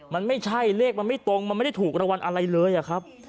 มันไม่ใช่เลขมันไม่ตรงมันไม่ได้ถูกรางวัลอะไรเลยอะครับ